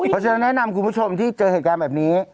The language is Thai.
เพราะฉะนั้นแนะนำคุณผู้ชมที่เจอเหตุการณ์แบบนี้